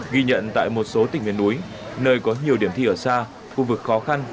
ghi nhận tại một số tỉnh miền núi nơi có nhiều điểm thi ở xa khu vực khó khăn